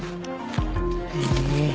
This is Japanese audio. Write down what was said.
へえ。